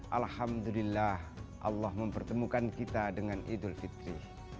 alhamdulillah allah mempertemukan kita dengan idul fitri